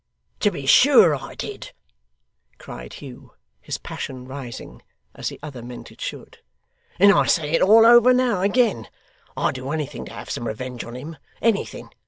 'To be sure I did!' cried Hugh, his passion rising, as the other meant it should; 'and I say it all over now, again. I'd do anything to have some revenge on him anything.